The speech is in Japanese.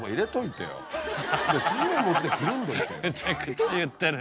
めちゃくちゃ言ってる。